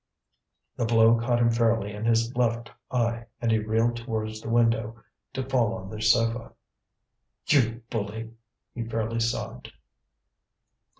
The blow caught him fairly in his left eye, and he reeled towards the window to fall on the sofa. "You bully!" he fairly sobbed.